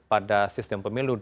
pada sistem pemilu